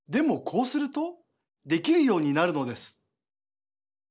こうするとできるようになるのです。